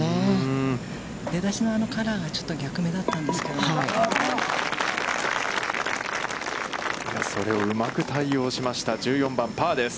出だしのカラーが逆目だったんですけれども、それをうまく対応しました、１４番、パーです。